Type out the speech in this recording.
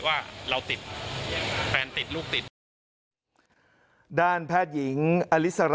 ว่าเราติดฟังแฟนติดลูกติด